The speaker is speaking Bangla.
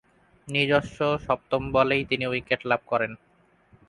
নিজস্ব সপ্তম বলেই তিনি উইকেট লাভ করেন।